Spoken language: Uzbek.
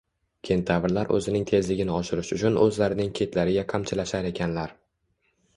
Kentavrlar o'zining tezligini oshirish uchun o'zlarining ketlariga qamchilashar ekanlar...